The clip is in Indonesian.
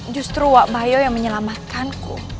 justru wak mayo yang menyelamatkanku